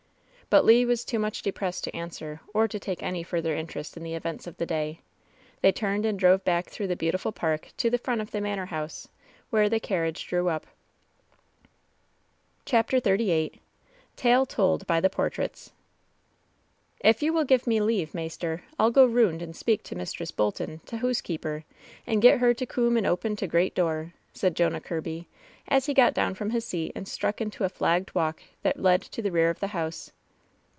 But Le was too much depressed to answer, or to take any further interest m the events of the day. They turned and drove back through the beautiful park to the front of the manor house, where the carriage drew up. CHAPTER XXXVni TALE TOLD BY THE POBTBAIT8 *^If you will give me leave, maister, ni go roond and speak to Mistress Bolton, t' hoosekeeper, and get her to coom and open t' great door," said Jonah Kirby, as he i!:ot down from his seat and struck into a flagged walk that led to the rear of the house.